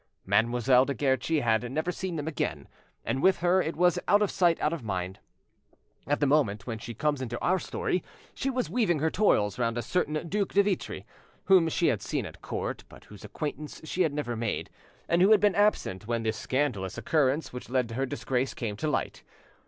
Mademoiselle de Guerchi had never seen them again; and with her it was out of sight out of mind. At the moment when she comes into our story she was weaving her toils round a certain Duc de Vitry, whom she had seen at court, but whose acquaintance she had never made, and who had been absent when the scandalous occurrence which led to her disgrace came to light.